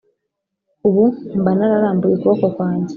Ubu mba nararambuye ukuboko kwanjye